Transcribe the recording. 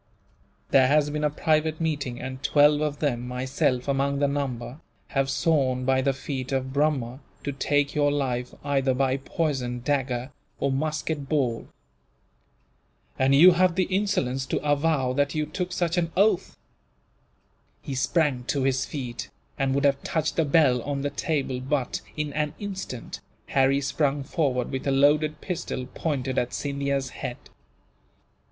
There has been a private meeting, and twelve of them, myself among the number, have sworn by the feet of Brahma to take your life, either by poison, dagger, or musket ball." "And you have the insolence to avow that you took such an oath!" He sprang to his feet, and would have touched the bell on the table but, in an instant, Harry sprung forward with a loaded pistol, pointed at Scindia's head.